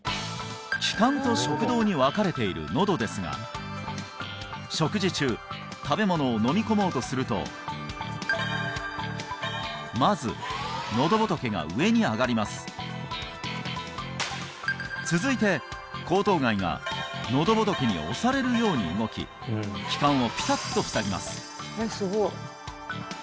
気管と食道に分かれているのどですが食事中食べ物を飲み込もうとするとまずのど仏が上に上がります続いて喉頭蓋がのど仏に押されるように動き気管をピタッと塞ぎます